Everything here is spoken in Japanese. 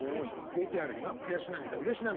ＶＴＲには悔し涙うれし涙